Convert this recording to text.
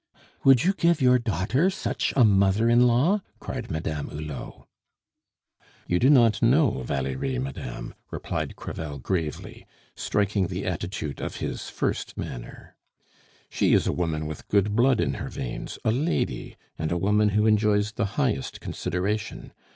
"Would you give your daughter such a mother in law? cried Madame Hulot. "You do not know Valerie, madame," replied Crevel gravely, striking the attitude of his first manner. "She is a woman with good blood in her veins, a lady, and a woman who enjoys the highest consideration.